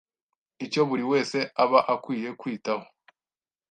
Icyo buri wese aba akwiye kwitaho